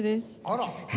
あら。